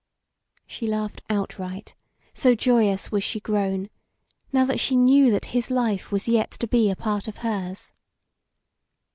She laughed outright, so joyous was she grown, now that she knew that his life was yet to be a part of hers.